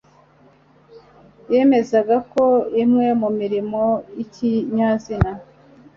yemezaga ko imwe mu murimo y'ikinyazina